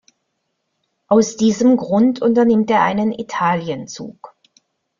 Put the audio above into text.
Aus diesem Grund unternimmt er einen Italienzug.